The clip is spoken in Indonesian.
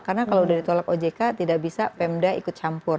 karena kalau udah ditolak ojk tidak bisa pemda ikut campur